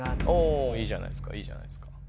おいいじゃないっすかいいじゃないっすか。